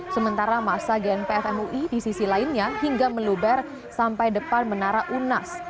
sementara masa gnpf mui di sisi lainnya hingga meluber sampai depan menara unas